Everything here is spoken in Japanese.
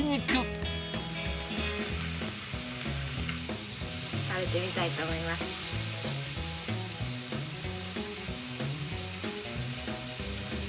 食べてみたいと思います。